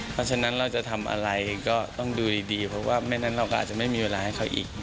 เพราะฉะนั้นเราจะทำอะไรก็ต้องดูดีเพราะว่าไม่งั้นเราก็อาจจะไม่มีเวลาให้เขาอีก